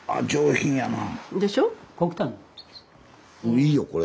いいよこれ。